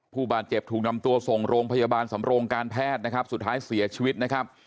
ผู้บาดเจ็บถูกนำตัวส่งโรงพยาบาลสำโรงการแพทย์นะครับสุดท้ายเสียชีวิตนะครับ